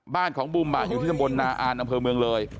บ้านของบุมอยู่ที่ตำบลนาอานอำเภอเมืองเลย